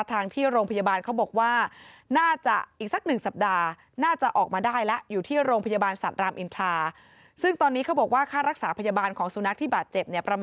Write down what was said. ทางที่โรงพยาบาลเขาบอกว่าน่าจะอีกสักหนึ่งสัปดาห์